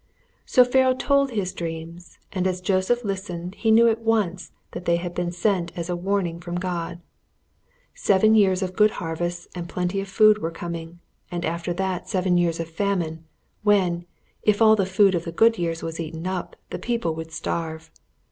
So Pharaoh told his dreams, and as Joseph listened he knew at once that they had been sent as a warning from God. Seven years of good harvests and plenty of food were coming, and after that seven years of famine, when, if all the food of the good years was eaten up, the people would starve.